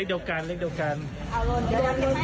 เออเดี๋ยวเบิ้ลจะเบิ้ลล่ะทำไงล่ะ